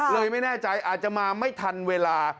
ไม่แน่ใจอาจจะมาไม่ทันเวลา